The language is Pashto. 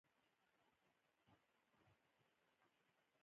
دوی به تر هغه وخته پورې لوړې نمرې اخلي.